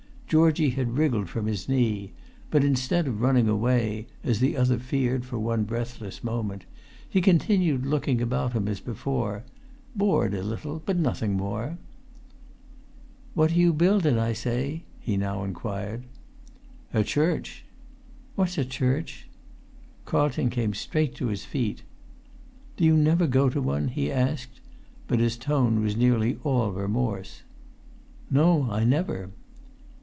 Georgie had wriggled from his knee; but instead of running away (as the other feared for one breathless moment), he continued looking about him as before, bored a little, but nothing more. "What are you buildin', I say?" he now inquired. "A church." "What's a church?" Carlton came straight to his feet. "Do you never go to one?" he asked; but his tone was nearly all remorse. "No, I never."